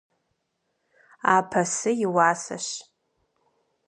Апэсы и уасэщ.